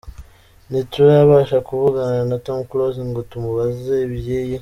Ntiturabasha kuvugana na Tom Close ngo tumubaze ibyiyi.